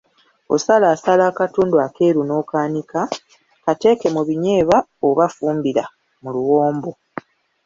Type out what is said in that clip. Osalaasala akatundu akeeru n’okaanika, kateeke mu binyeebwa oba fumbira mu luwombo.